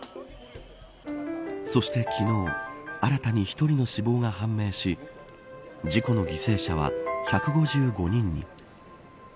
そして昨日新たに１人の死亡が判明し事故の犠牲者は１５５人に。